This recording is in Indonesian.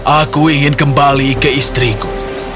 aku ingin kembali ke istriku